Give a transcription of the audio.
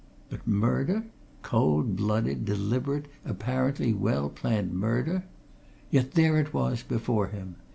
But murder? Cold blooded, deliberate, apparently well planned murder! Yet there it was, before him.